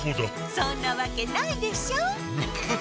そんなわけないでしょ。